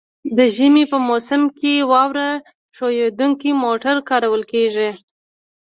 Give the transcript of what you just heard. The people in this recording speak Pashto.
د ژمي په موسم کې واوره ښوییدونکي موټر کارول کیږي